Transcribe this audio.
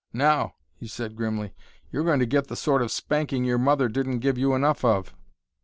"Now," he said grimly, "you're going to get the sort of spanking your mother didn't give you enough of."